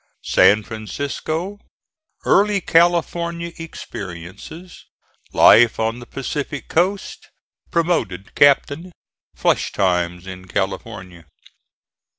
SAN FRANCISCO EARLY CALIFORNIA EXPERIENCES LIFE ON THE PACIFIC COAST PROMOTED CAPTAIN FLUSH TIMES IN CALIFORNIA.